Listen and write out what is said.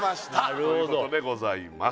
なるほどということでございます